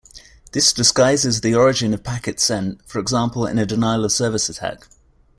This disguises the origin of packets sent, for example in a denial-of-service attack.